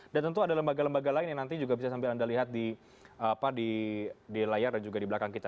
dan tentu ada lembaga lembaga lain yang nanti juga bisa sambil anda lihat di layar dan juga di belakang kita